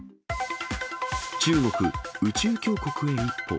中国、宇宙強国へ一歩。